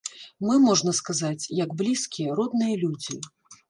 Мы, можна сказаць, як блізкія, родныя людзі.